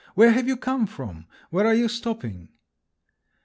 Where have you come from? Where are you stopping?"